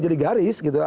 jadi garis gitu